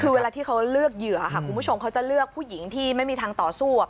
คือเวลาที่เขาเลือกเหยื่อค่ะคุณผู้ชมเขาจะเลือกผู้หญิงที่ไม่มีทางต่อสู้